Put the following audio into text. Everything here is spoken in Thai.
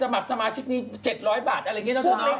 สมัครสมาชิกนี้เจ็ดร้อยบาทอะไรแบบนี้